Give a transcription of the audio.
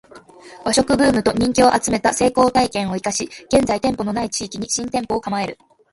ⅰ 和食ブームと人気を集めた成功体験を活かし現在店舗の無い地域に新店舗を構える